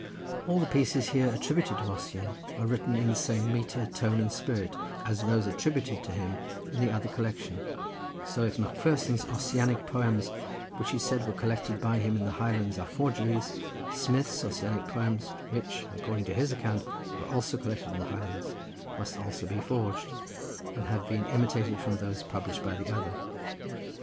All the pieces here attributed to Ossian are written in the same metre, tone, and spirit as those attributed to him in the other collection, so if Macpherson's Ossianic poems, which he said were collected by him in the Highlands, are forgeries, Smith's Ossianic poems, which according to his account, were also collected in the Highlands, must be also forged, and have been imitated from those published by the other.